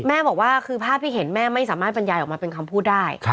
บอกว่าคือภาพที่เห็นแม่ไม่สามารถบรรยายออกมาเป็นคำพูดได้